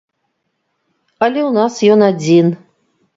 Але ў нас ён адзін.